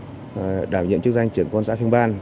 sau đảm nhiệm chức danh trưởng công an xã phương ban